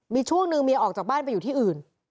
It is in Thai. มีช่วงหนึ่งเมียออกจากบ้านไปอยู่ที่อื่น